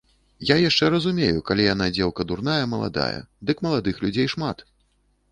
Я яшчэ разумею, калі яна дзеўка дурная, маладая, дык маладых людзей шмат.